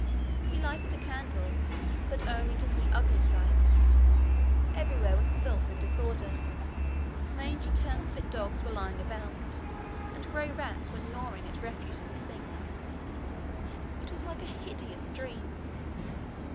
He lighted a candle but only to see ugly sights. Everywhere was filth and disorder. Mangy turnspit dogs were lying about, and grey rats were gnawing at refuse in the sinks. It was like a hideous dream.